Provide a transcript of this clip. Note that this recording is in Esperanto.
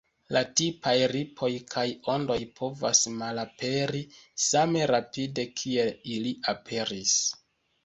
La tipaj ripoj kaj ondoj povas malaperi same rapide kiel ili aperis.